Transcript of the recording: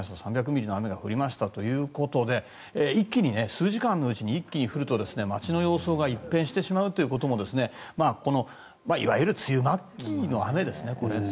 ３００ミリの雨が降ったということで数時間のうちに一気に降ると街の様相が一変してしまうということもこのいわゆる梅雨末期の雨ですね。